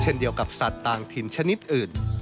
เดียวกับสัตว์ต่างถิ่นชนิดอื่น